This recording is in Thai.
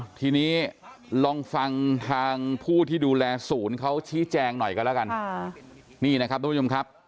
อีกปีนี้ลองฟังทางผู้ที่ดูแลศูนย์เขาชี้แจงหน่อยกันละกันนะครับเว้นนี่นะครับเพิ่มครับ